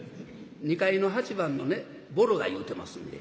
２階の８番のねぼろが言うてますんで。